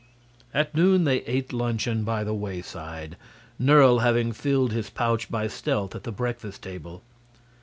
At noon they ate luncheon by the wayside, Nerle having filled his pouch by stealth at the breakfast table.